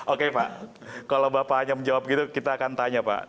oke pak kalau bapak hanya menjawab gitu kita akan tanya pak